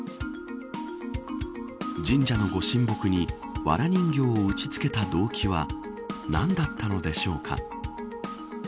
神社のご神木にわら人形を打ち付けた動機は何だったのでしょうか。